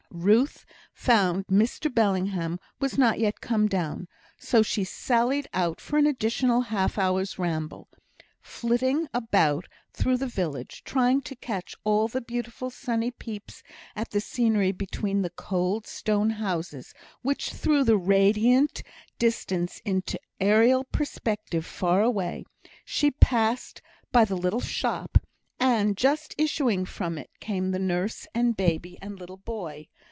Ruth found Mr Bellingham was not yet come down; so she sallied out for an additional half hour's ramble. Flitting about through the village, trying to catch all the beautiful sunny peeps at the scenery between the cold stone houses, which threw the radiant distance into aërial perspective far away, she passed by the little shop; and, just issuing from it, came the nurse and baby, and little boy.